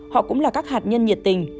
họ cũng là các hạt nhân nhiệt tình